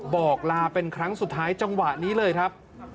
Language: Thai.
บอกลาเป็นครั้งสุดท้ายจังหวะนี้เลยครับ